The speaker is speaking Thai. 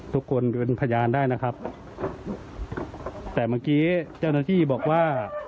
ทุกคนเป็นพยานได้นะครับแต่เมื่อกี้เจ้าหน้าที่บอกว่า